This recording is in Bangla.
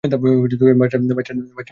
বাচ্চাটা মারা গেছে?